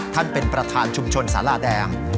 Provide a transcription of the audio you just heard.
ท่านเป็นประธานชุมชนสาราแดง